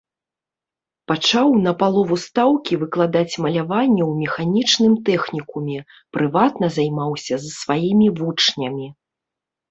Пачаў на палову стаўкі выкладаць маляванне ў механічным тэхнікуме, прыватна займаўся з сваімі вучнямі.